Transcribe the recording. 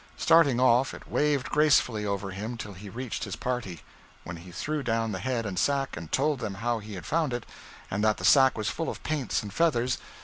Starting off, it waved gracefully over him till he reached his party, when he threw down the head and sack, and told them how he had found it, and that the sack was full of paints and feathers.